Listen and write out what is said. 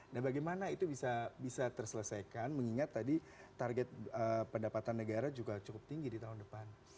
nah bagaimana itu bisa terselesaikan mengingat tadi target pendapatan negara juga cukup tinggi di tahun depan